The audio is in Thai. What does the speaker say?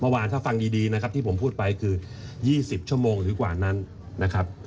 เมื่อวานถ้าฟังดีนะครับที่ผมพูดไปคือ๒๐ชั่วโมงหรือกว่านั้นนะครับ